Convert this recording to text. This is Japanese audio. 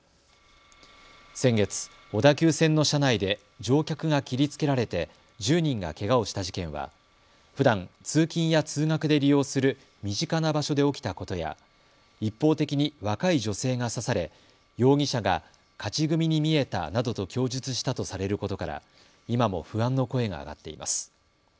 先月、小田急線の車内で乗客が切りつけられて１０人がけがをした事件はふだん通勤や通学で利用する身近な場所で起きたことや一方的に若い女性が刺され容疑者が勝ち組に見えたなどと供述したとされることから今も不安の声が上がっています。